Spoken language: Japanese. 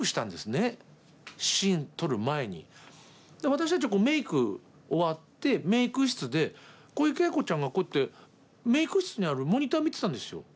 私たちはメーク終わってメーク室で小池栄子ちゃんがこうやってメーク室にあるモニター見てたんですよ。